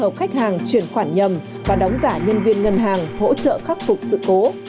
yêu cầu khách hàng chuyển khoản nhầm và đóng giả nhân viên ngân hàng hỗ trợ khắc phục sự cố